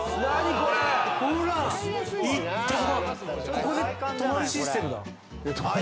ここで止まるシステムだ。